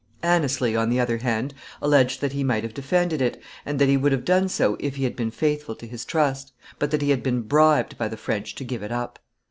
Anneslie, on the other hand, alleged that he might have defended it, and that he would have done so if he had been faithful to his trust; but that he had been bribed by the French to give it up.